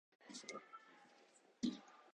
大きいサイズ